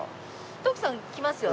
徳さん来ますよね？